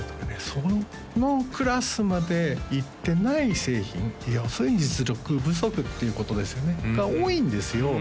そのクラスまでいってない製品要するに実力不足っていうことですよねが多いんですよ